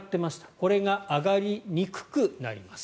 これが上がりにくくなります。